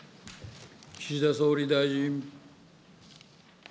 岸田総理大臣。